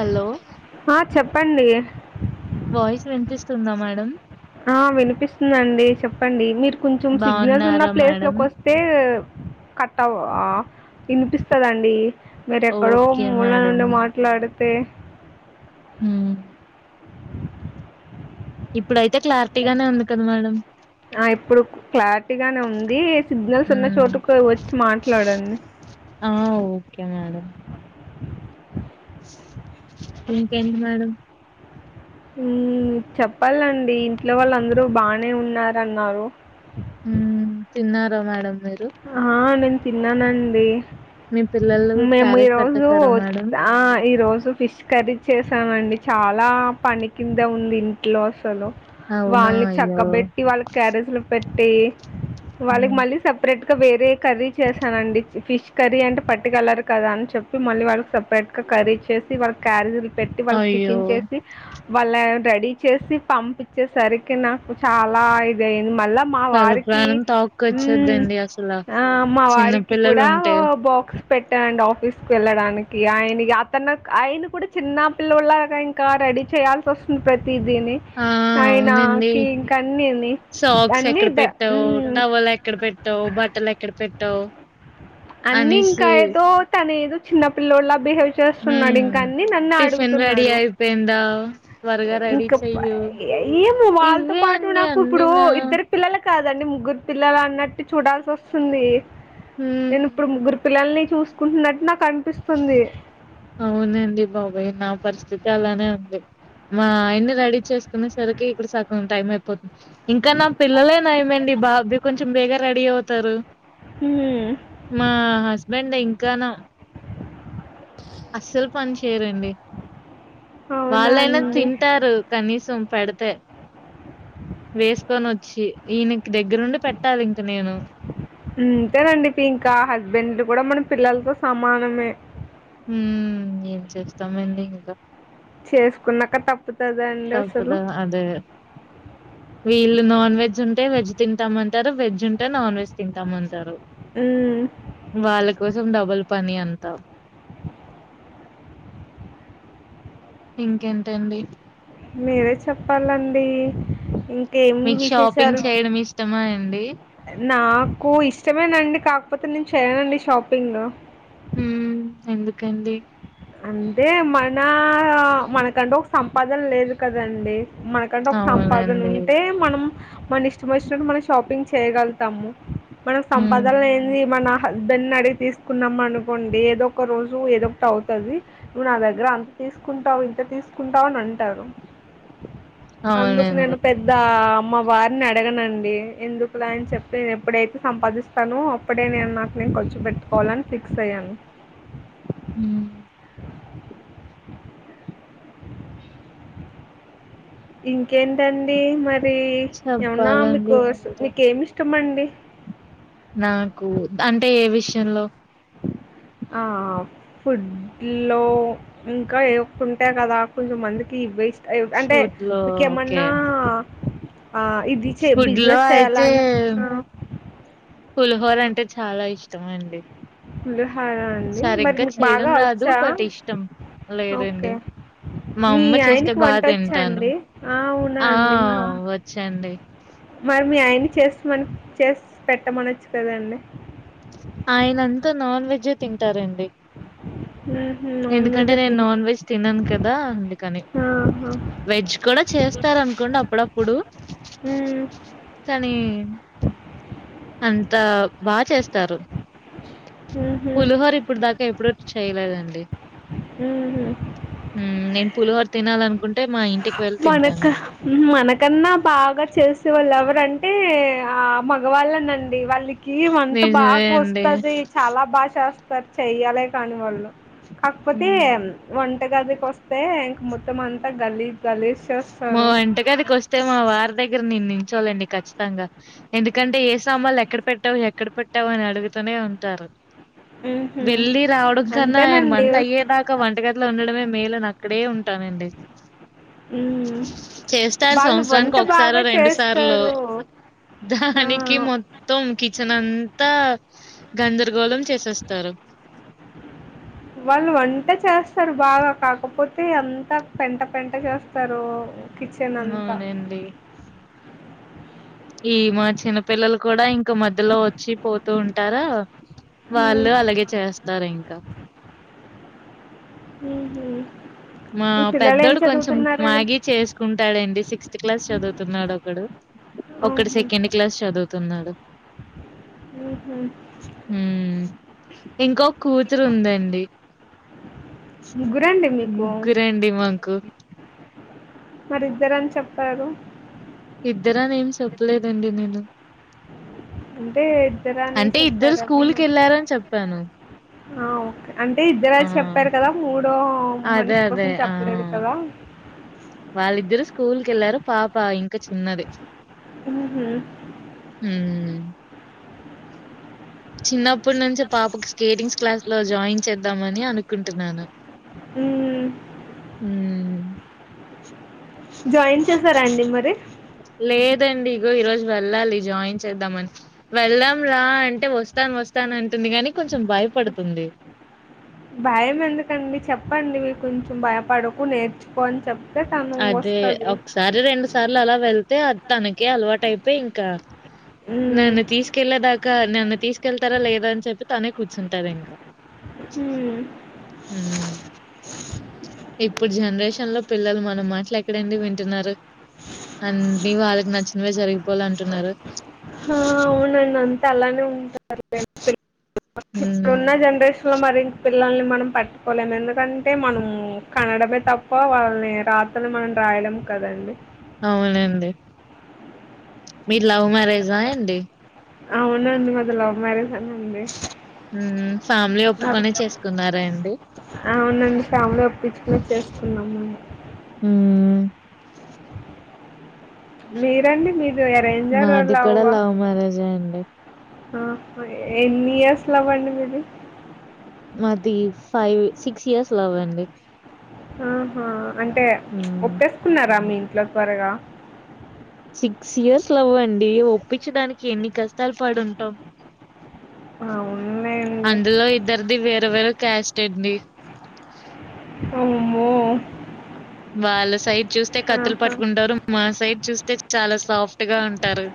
Hello ఆ చెప్పండి వస్తుందా మేడం ఆ వినిపిస్తుందండి చెప్పండి మీరు కొంచెం సిగ్నల్స్ ఉన్న బాగున్నారా ప్లేస్ మేడం లోకి వస్తే కట్టవ వినిపిస్తదండి మీర ఎక్కడో ఓకే మూళ మేడం నుండి మాట్లాడు పె హు ఇప్పుడైతే క్లారిటీగానే ఉంది కదా మేడం ఆ ఇప్పుడు క్లారిటీగానే ఉంది. సిగ్నల్స్ ఉన్న ఉమ్ చోటుకు వచ్చి మాట్లాడండి. ఆ ఓకే మేడం ఇంకేంటి మేడం ఉ చెప్పాలండి ఇంట్లో వాళ్ళ అందరూ బానే ఉన్నారు అన్నారు హుమ్మ్ తిన్నార మేడం మీరు ఆ న న్ తిన్నానండి మీ పిల్లలు మేము క్యారేజ్ ఈరోజు కట్టేసారా మేడం ఆ ఈరోజు ఫిష్ కర్రీ చేసామండి చాలా పని కింద ఉంది ఇంట్లో అసలు అవునా వాళ్ళని అయ్యో చక్కబెట్టి వాళ్ళు క్యారేజ్లు పెట్టి పె వాళ్ళకి ఉమ్ మల్లి సప్ గా వేరే కర్రీ చేశానండి. ఫిష్ కర్రీ అంటే పట్టుకెల్లరు కదా అని చెప్పి, మళ్ళీ వాళ్ళకి సపరేట్ గా కర్రీ చేసి వాళ్ళ క్యారీ పెట్టి వాళ్ళకి అయ్యో టిఫిన్ చేసి వాళ్ళ రెడీ చేసి పంపించేసరికి నాకు చాలా ఇదయింది. మళ్ళా మా తల వారికి ప్రాణం ఉమ్ తాక్కొచ్చేద్దండి అసలు ఆ అమ్ మా చిన్న వారికి కూడ పిల్లలు ఉంటే బాక్స్ పెట్టనండి ఆఫీస్కి వెళ్ళడానికి ఆయన అతను ఆయన కూడా చిన్న పిల్లోడిలా ఇంకా రెడీ చేయాల్సి వస్తుంది ప్రతి దిని ఆ అవునండి ఆయనకి ఇంకన్నీ ఉన్నాయ్ సాక్స్ అన్నద్ద పెట్టావ్ బట్టలు ఎక్కడ పెట్టావ్ అన్ని ఇంకా ఏదో తన ఏదో చిన్న పిల్లోలాగ్ బిహేవ్ చేస్తున్నాడు. హ్మ్ ఇంకా అన్ని నన్నే టిఫిన్ రెడీ అడుగుతున్నాడు. అయిపోయిందా త్వరగా రెడీ ఇంకా చెయ్యు ఏమో వాళ్ళతో ఇవే పాటు అండి నాకు అన్ని ఇప్పుడు నా ఇద్దరు పిల్లల కాదండి ముగ్గురు పిల్లలు అన్నట్టు చూడాల్సి వస్తుంది. హ్మ్ నేను ఇప్పుడు ముగ్గురు పిల్లల్ని చూసుకుంటున్నట్టు నాకు అనిపిస్తుంది అవునండి బాబాయ్ నా పరిస్థితి అలానే ఉంది మా ఆయన్ని రెడీ చేసుకునే సరికి ఇక్కడ సగం టైం అయిపోతుంది ఇంకా నా పిల్లలే నయమండి బాగా అదే కొంచెం బేగా రెడీ అవుతారు హ్మ్ మా హస్బెండ్ ఇంకాను అస్సలు పని చేయరండి అవునా వాళ్ళైనా అండి తింటారు కనీసం పెడితే వేసుకొని వచ్చి ఈయనకి దగ్గరుండి పెట్టాలి ఇంక నేను అంతేనండి ఇ ఇంకా హస్బెండ్ కూడా మనం పిల్లలతో సమానమే హమ్ ఏం చేస్తామండి ఇంకా చేసుకున్నాక తప్పుతుందండి అసలు తప్పదా అదే వీళ్లు నొ వెజ్ ఉంటే వెజ్ తింటామంటారు వెజ్ ఉంటే నాన్ వెజ్ తింటామంటారు ఉమ్ వాళ్ళ కోసం డబుల్ పని అంతా ఇంకేంటండి మీరే చెప్పాలండి ఇం మీకు షాపింగ్ చేయడం ఇష్టమా అండి కు ఇష్టమేనండి కాకపోతే నేను చేయనండి షాపింగ్ ఉమ్ ఎందుకండి అంటే మన మనకంటే ఒక సంపాదన లేదు కదండి మనకంటే ఒక సంపాదన అవునండి ఉంటే మనం మన ఇష్టం వచ్చిట్టు మనం షాపింగ్ చేయగల్ తాము మన హ్మ్ సంపాదన లేనిది మన హస్బెండ్ ని అడిగి తీసుకున్నాం అనుకోండి ఏదో ఒక రోజు ఏదో ఒకటి అవు తది నువ్వు నా దగ్గర అంత తీసుకుంటావు ఇంత తీసుకుంటావు అని అంటారు అందుకు అవునండి నేను పెద్ద మా వారిని అడగనండి ఎందుకులే అని చెప్పి ఎప్పుడైతే సంపాదిస్తానో అప్పుడే నేను నాకు నేను ఖర్చు పెట్టుకోవాలని ఫిక్స్ అయ్యాను. ఉమ్ ఇంకేంటండి మరి ది ఏమనా చెప్పాలండి మీకుస మీరే మీకేమి ఇష్టం అండి నాకు అంటే ఏ విష్ ఎల్లొ ఆ ఫుడ్ లో ఇంకా ఏ [inaudible] ఒ ఉంటేయి కదా కొంచెంమందికి ఇవేసి అంటే ఫుడ్ లో ఓకే మీకేమన్నా ఇది చె ఫుడ్ లో బిజినెస్ అయితే చేయాలాని ఆ పులిహోర అంటే చాలా ఇష్టం అండి బ అవునా అండి మరి సరిగ్గా మీకు చేయడం బాగా రాదు వచ్చా బట్ ఇష్టం ఓకే లేదండి మా మీ అమ్మ చేస్తే ఆయనకి బాగా వంట వచ్చా తింటాను అండి ఆ అవునా ఆ అండి వచ్చండి మరి మీ ఆయనకి చెస్ మన చెస్ పెట్టమనొచ్చు కదండి ఆయనంతా నాన్ వెజ్జే తింటారండి ఉహు నాన్ ఎందుకంటే వెజ్ నేను తిన్ నాన్ వెజ్ తినను కదా అందుకని ఆహా వెజ్ కూడా చేస్తారనుకోండి అప్పుడప్పుడు ఉమ్ కానీ అంతా బా చేస్తారు ఉహు పులుహొర ఇప్పుడు దా ఎప్పుడూ ఎప్పుడు చేయలేదండి ఉ హు నేను పులుహొర తినాలనుకుంటే మా ఇంటికి వెళ్ళి మనక తింటానండి మనకన్నా బాగా చేలిసే వాళ్ళు ఎవరంటే అంటే ఆ మగవాళ్ళనండి వాళ్ళు తీ వంట నిజమే బాగా అండి వస్తుది చాలా బాగా చేస్తారు చెయ్యాలే కానీ వాళ్ళు కాకపోతే హ్మ్. వంటగదికి వస్తే మొత్తం అంతా గలీజ్ గాలీస్ మా వంటగదికి వస్తే మా వారి దగ్గర నిన్నీ పెట్టలండి ఖచ్చితంగా ఎందుకంటే ఏ సామానులు ఎక్కడ పెట్టావు ఎక్కడ పెట్టావు అని అడుగుతూనే ఉంటారు హుహు. వెళ్లి రావడం కన్నా ఆయన అంతేనండి. వంట అయ్యేదాకా వంటగదిలో ఉండడమే మేలని అక్కడే ఉ ఉంటానండి హ్మ్. చేస్తారు వాళ్ళు వంట సంవత్సరానికి ఒకసారి బాగా రెండు సార్లొ చేస్తారు. ఆ! దానికి మొత్తం కిచెన్ అంతా గందరగోళం చేసేస్తారు వాళ్ళు వంట చేస్తారు బాగా కాకపోతే అంతా పెంట పెంట చేస్తారు కిచెన్ అంతా. వునండి ఈ మా చిన్నపిల్లలు కూడా ఇంకా మధ్యలో వచ్చి పోతూ ఉంటారా హ్మ్. వాళ్ళు అలాగే చేస్తారు ఇంకా హ్మ్ మా పెద్దడు కొంచెం మ్యాగీ చేసుకుంటాడండి సిక్స్త్ క్లాస్ చదువుతున్నాడు ఒకడు ఒకడు ఆహా! సెకండ్ క్లాస్ చదువుతున్నాడు హుహు. హు ఇంకో కూతురు ఉంది అండి ముగ్గురండి మీకు? ముగ్గురండి మాకు మరి ఇద్దరని చెప్పారు. ఇద్దరని ఏం చెప్పలేదండి. నేను అంటే ఇద్దరని అంటే ఇద్దరు చెప్పారా? స్కూల్కి ఎళ్లారని చెప్పాను. ఆహ్ ఓకే అంటే ఇద్దరు ఆ చెప్పారు కదా. మూడో అదే మనిషి కోసం అదే ఆ చెప్పలేదు కదా. కెళ్లారు పాప ఇంక చిన్నదే. ఉహ్ హు హ్మ్ చిన్నప్పుడు నుంచే పాపకి స్కేటింగ్స్ క్లాస్ లో జాయిన్ చేద్దమని అనుకుంటున్నాను. ఉమ్ ఉహ్మ్ జాయిన్ చేసార అండి. మరి లేదండి ఇగో ఈ రోజు వెళ్ళాలి. జాయిన్ చేద్దామని వెళ్దాం రా అంటే వస్తాన్ వస్తాను అంటుంది కాని. భయం ఎందుకండి చెప్పండి మీర్ కొంచెం భయపడకు నేర్చుకో అని చెప్ అదే ఒకసారి రెండు సార్ల అలా వెల్ తే తనకే అలవాటు అయితే ఇంక ఉమ్ నేను తీసుకెళ్ళే దాన్ కా నన్ను తీసుకెళ్తారా లేదా అని చెప్పి తనే కూర్చుంటాది ఇంక. ఉమ్ ఉహ్ ఇప్పుడు జనరేషన్ లో పిల్లలు మట్ నా మాట్లు ఎక్కడండి వింటున్నారు. అన్నీ వాళ్ళకి నచ్చినవే జరిగిపోవాల అంటున్నారు. ఆ అవునండి అంతా [unintelligible] ఇప్పుడు ఉన్న జనరేషన్ లో మరి పిల్లల్ని మనం పట్టుకోలేము ఎందుకంటే మనం కనడమే తప్ప. వాళ్ళని రాతనీ మనం రాయలేం కదండి. అవునండి మీది లవ్ మ్యారేజా అండి. అవునుండి మాది లవ్ మ్యారేజె నండి హ్మ్ ఫ్యామిలీ అవు ఒప్పుకొనే చేసుకున్నారా అండి అవునండి ఫ్యామిలి ఒప్పించుకుని చేస్ కున్నమండి ఉహ్మ్ మీరండి మీరు మాదికూడ లవ్ మ్యారేజే అండి. ఆ హా ఎన్ని ఇయర్స్ లవ్ ఆండి మీది. మాది ఫైవ్ సిక్స్ ఇయర్స్ లవ్వే అండి. ఆహా అంటే హ్మ్ ఒప్పేసుకున్నార మీద్ లావ్ త్వరగా సిక్స్ ఇయర్స్ లవ్వండి. ఒప్పించడానికి ఎన్ని కష్టాలు పడుంటాం. అవునులేండి అందులో ఇద్దరిది వేరే వేరే క్యాస్ట్ అండి అమ్మో వాళ్ళ సైడ్ చూస్తే కత్తులు ఆహా పట్టుకుంటారు మా సైడ్ చూస్తే చాలా సాఫ్ అట్గా అంటారు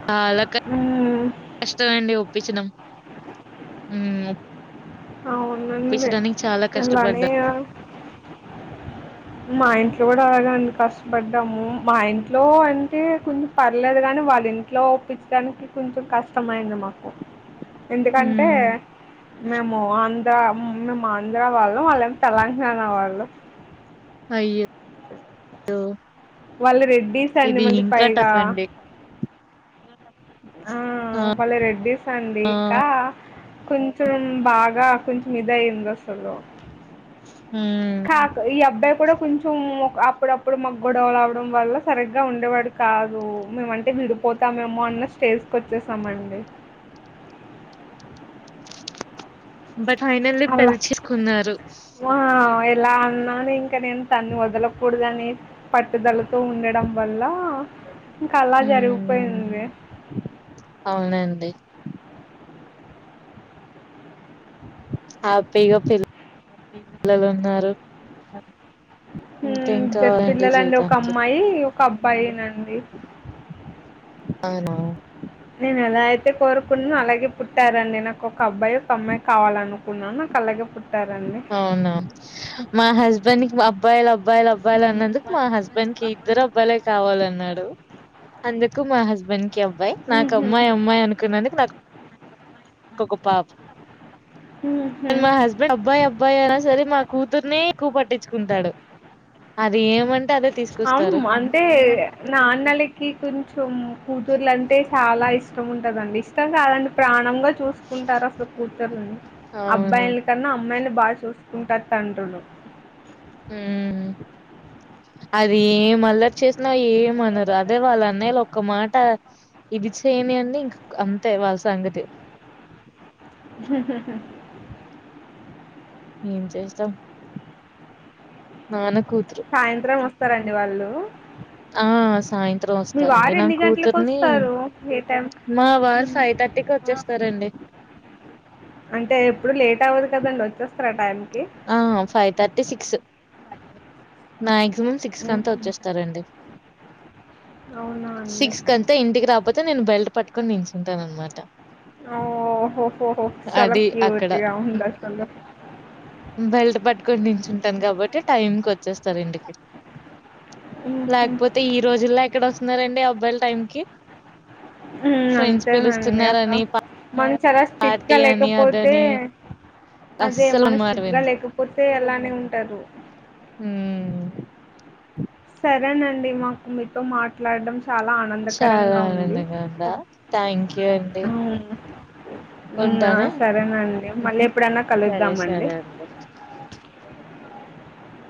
అ అలా మ్మ్ కష్టం అండి ఒప్పించడం మ్మ్ అవునండి ఆలానే కష్టపడ్డా. మా ఇంట్లో కూడా అలాగ కష్టపడ్డాము మా ఇంట్లో అంటే కొంచెం పర్లేదు కాని వాళ్ళ ఇంట్లో ఒప్పించడానికి కొంచెం కష్టం అయింది మాకు ఎందుకంటే హ్మ్ మేము ఆంధ్ర మేము ఆంధ్ర వాళ్ళు మళ్ళ తెలంగాణ వాళ్ళు అయ్యో వాళ్ళు రెడ్డీస్ అండి ఇది మళ్ళీ ఇంకా పైగా టఫ్ అండి. ఆ వాళ్ళు రెడ్డీస్ అండి ఇకా కొంచెం బాగా కొంచెం ఇద అయందసలు హ్మ్ ాక ఈ అబ్బే కూడా కొంచెం అప్పుడప్పుడు మా గొడవలువడం వల్ల సరిగ్గా ఉండేవాడు కాదు మేమంటే విడిపోతామేమో అన్న స్టేజ్ కి వచ్చేసామండి బట్ ఫైనల్లీ అలా పెళ్లి చేసుకున్నారు ఆ ఎలా అన్నాను ఇంకా నేను తన్ని వదలకూడదని పట్టుదలతో ఉండడం వల్ల ఇంకా అలా హ్మ్ జరిగిపోయింది అవునండి హ్యాపీ గా ఇంకేం ఇద్దరు కావాలండి పిల్లల అండి ఒక జీవితానికి అమ్మాయి కబ్ పైనండి అవునా ఎలా అయితే కోరుకున్నా అలాగే పుట్టారని నాకు ఒక అబ్బాయి ఒక అమ్మాయి కావాలను ఉ కల్లకి అవునా మా హస్బెండ్ కిబ్బా పలా అబ్బాయిలు అబ్బయిలు అన్నందుకు మా హస్బెండ్ కి ఇద్దరు అబ్బాలే కావాలన్నాడు అందుకు మా హస్బెండ్ ఓకే అబ్బాయి నాకు ఉహు. అమ్మాయి అమ్మాయి అనుకున్నందుకు నాకు ఒక పాప ఊహూ కానీ మా హస్బెండ్ అబ్బాయి అబ్బాయి అయినా సరే మా కూతుర్ని ఎక్కువ పట్టిచ్చుకుంటాడు అం అంటే నాన్నలకి కొంచెం కూతుర్లుంటే చాలా ఇష్టం ఉంటదండి ఇష్టం కాదండి ప్రాణంగా చూసుకుంటారు అసలు కూతుర్ని అవును అబ్బాయిలి కన్నా అమ్మాయిలనే బాగా చూసుకుంటారు తండ్రులు ఉమ్ అది ఏం అల్లరి చేస్ నా ఏమనరు అదే వాళ్ళన్నయ్యలు ఒక మాట ఇది చేయ్నియ్యండి ఇంక అంతే వాళ్ళ సంగతి [unintelligible] ఏం చేస్తాం నాను సాయంత్రం వస్తారండి వాళ్ళు ఆ సాయంత్రం మీ వస్తారండి వారు నా ఎన్ని గంటలకు కూతుర్ని వస్తారు ఏ టైం మా వారు ఫైవ్ థర్టీకి వచ్చేస్తారండి టవురు కదండి వచ్చేస్తారు టైమ్ ఆ ఫైవ్ తర్టీ సిక్స్ నా ఎగ్ మినిమమ్ సిక్స్ కంతా హుహు. వచ్చేస్తారండి అవునా అండి సిక్స్ కంతా ఇంటికి రాపోతే నేను బెల్ట్ పట్టుకొని నించుంటాను అనమాట ఓహోహోహో చాల అది క్యూట్ అక్కడ గా ఉందసలు క్కడ నించుంటాను కాబట్టే టైమ్ చ్చేస్తారు ఇంటికి లేకపోతే ఈ రోజుల్లో ఎక్కడ వస్తున్నారండి అబ్బాయిలు టైం కే ఉమ్ అంతేనండి అక [inaudible] మ చాలా స్ట్రిక్ట్ గా పార్టీ అని లేకపోతే అదని అదే అస్సలు మన మాట స్ట్రిక్ట్ గా వినరు లేకపోతే అలానే ఉంటారు ఊ సరేనండి మాకు మీతో మాట్లాడం చాలా చాలా ఆనందకరంగా ఉంది ఆనందంగా ఉందా థ్యాంక్ యూ అండి ఉమ్ ఆ ఉంటానే సరేనండి మళ్ళీ ఎప్పుడైనా సరే కలుద్దామండి సరే అండి